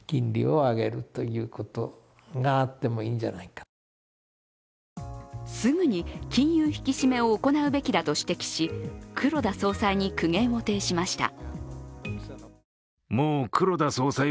かたくなな姿勢には、浜田氏もすぐに金融引き締めを行うべきだと指摘し黒田総裁に苦言を呈しました。